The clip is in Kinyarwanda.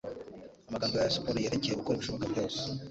amagambo ya siporo yerekeye gukora ibishoboka byose